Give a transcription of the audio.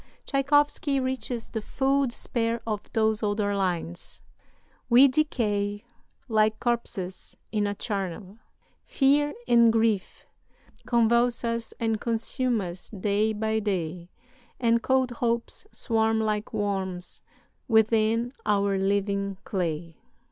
Tschaikowsky reaches the full despair of those other lines "'We decay Like corpses in a charnel; fear and grief Convulse us and consume us day by day, And cold hopes swarm like worms within our living clay.'